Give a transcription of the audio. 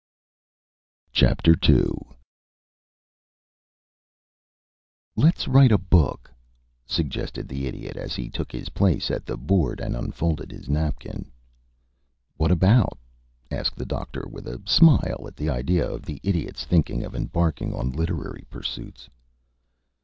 II "Let's write a book," suggested the Idiot, as he took his place at the board and unfolded his napkin. "What about?" asked the Doctor, with a smile at the idea of the Idiot's thinking of embarking on literary pursuits.